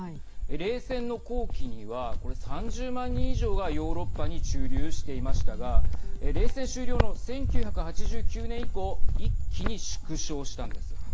冷戦の後期にはこれ、３０万人以上がヨーロッパに駐留していましたが冷戦終了の１９８９年以降一気に縮小したんです。